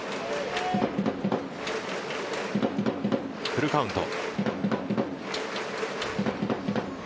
フルカウント。